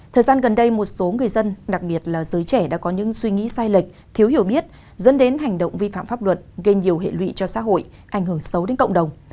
thời gian gần đây một số người dân đặc biệt là giới trẻ đã có những suy nghĩ sai lệch thiếu hiểu biết dẫn đến hành động vi phạm pháp luật gây nhiều hệ lụy cho xã hội ảnh hưởng xấu đến cộng đồng